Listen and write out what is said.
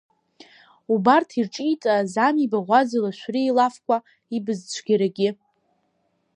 Убарҭ ирҿиҵааз ами Баӷәаза Лашәриа илафқәа, ибыз цәгьарагьы.